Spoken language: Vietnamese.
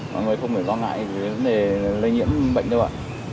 mọi người không phải lo ngại về vấn đề lây nhiễm bệnh đâu ạ